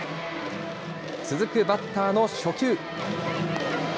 続くバッターの初球。